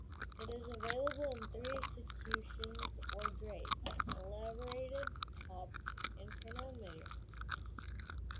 It is available in three executions or grades: Elaborated, Top and Chronometer.